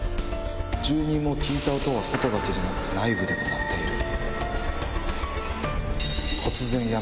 住人も聞いた音は外だけじゃなく内部でも鳴っている